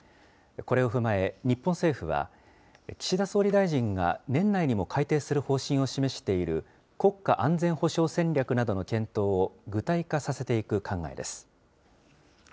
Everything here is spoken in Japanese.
これを踏まえ、日本政府は、岸田総理大臣が年内にも改定する方針を示している国家安全保障戦略などの検討を具体化させていく考えです。